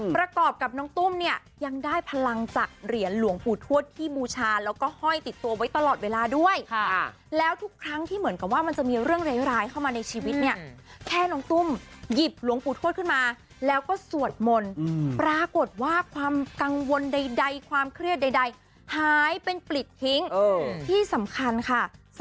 ประกอบกับน้องตุ้มเนี่ยยังได้พลังจากเหรียญหลวงปู่ทวดที่บูชาแล้วก็ห้อยติดตัวไว้ตลอดเวลาด้วยแล้วทุกครั้งที่เหมือนกับว่ามันจะมีเรื่องร้ายเข้ามาในชีวิตเนี่ยแค่น้องตุ้มหยิบหลวงปู่ทวดขึ้นมาแล้วก็สวดมนต์ปรากฏว่าความกังวลใดความเครียดใดหายเป็นปลิดทิ้งที่สำคัญค่ะ